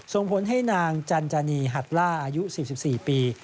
ส่งผลให้นางจันจานีหัดล่าอายุ๔๔ปี